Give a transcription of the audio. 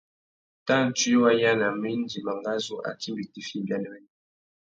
Tantsuï wa yānamú indi mangazú a timba itifiya ibianéwénô?